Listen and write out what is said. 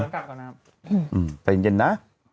จริงจ่าวมานะครับใจเย็นน่ะ